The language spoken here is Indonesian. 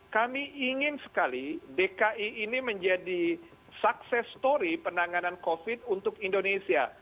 kami ingin sekali dki ini menjadi sukses story penanganan covid untuk indonesia